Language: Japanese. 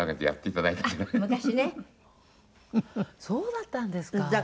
そうだったんですか。